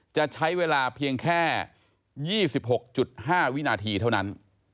จะใช้เวลาเพียงแค่๒๖๕วินาทีเท่านั้น